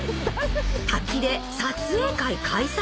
滝で撮影会開催